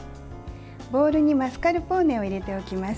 ボウルにマスカルポーネを入れておきます。